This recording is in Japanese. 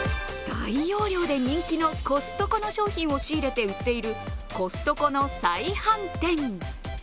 大容量で人気のコストコの商品を仕入れて売っているコストコの再販店。